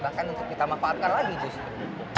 bahkan untuk kita manfaatkan lagi justru